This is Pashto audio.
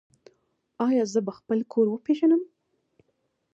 ایا زه به خپل کور وپیژنم؟